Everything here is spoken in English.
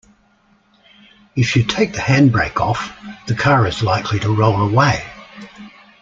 If you take the handbrake off, the car is likely to roll away